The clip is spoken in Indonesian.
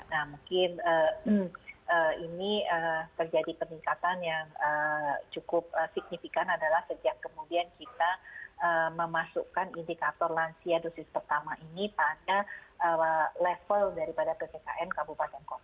nah mungkin ini terjadi peningkatan yang cukup signifikan adalah sejak kemudian kita memasukkan indikator lansia dosis pertama ini pada level daripada ppkm kabupaten kota